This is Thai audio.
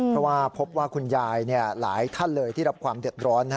เพราะว่าพบว่าคุณยายหลายท่านเลยที่รับความเดือดร้อน